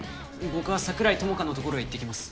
僕は桜井ともかのところへ行ってきます。